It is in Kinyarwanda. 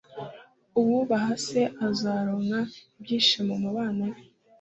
uwubaha se azaronka ibyishimo mu bana be